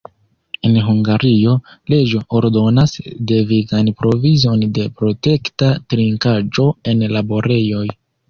En Hungario, leĝo ordonas devigan provizon de protekta trinkaĵo en laborejoj.